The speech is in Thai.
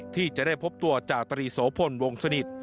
ที่จะได้พบตัวจาตรีโสพลวงสนิท